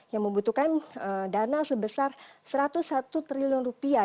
yang membutuhkan dana sebesar satu ratus satu triliun rupiah